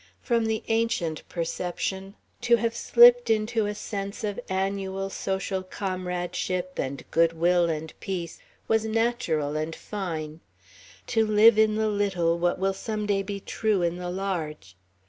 From the ancient perception, to have slipped into a sense of annual social comradeship and good will and peace was natural and fine to live in the little what will some day be true in the large.